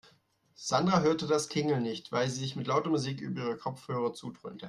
Sandra hörte das Klingeln nicht, weil sie sich mit lauter Musik über ihre Kopfhörer zudröhnte.